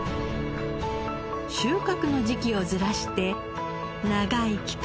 収穫の時期をずらして長い期間